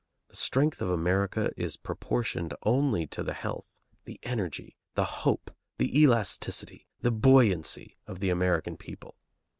The strength of America is proportioned only to the health, the energy, the hope, the elasticity, the buoyancy of the American people.